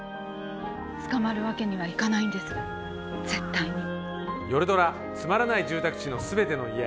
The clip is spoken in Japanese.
捕まるわけにはいかないんです、絶対に。